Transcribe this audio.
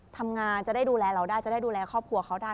ทำงานจะได้ดูแลเราได้จะได้ดูแลครอบครัวเขาได้